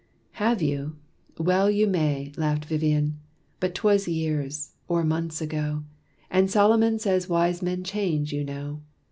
"Have you? Well you may," Laughed Vivian, "but 'twas years or months ago! And Solomon says wise men change, you know!